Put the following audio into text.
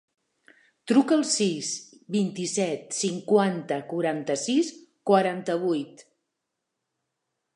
Truca al sis, vint-i-set, cinquanta, quaranta-sis, quaranta-vuit.